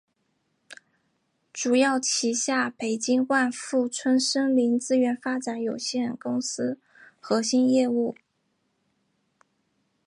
主要旗下北京万富春森林资源发展有限公司核心业务。